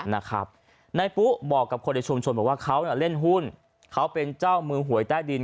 นายปุ๊บอกกับคนในชุมชนบอกว่าเขาเล่นหุ้นเขาเป็นเจ้ามือหวยใต้ดิน